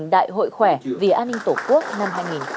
đại hội khỏe vì an ninh tổ quốc năm hai nghìn hai mươi bốn